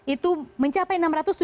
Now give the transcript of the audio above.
itu mencapai enam ratus